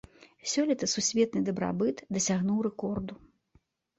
Сёлета сусветны дабрабыт дасягнуў рэкорду.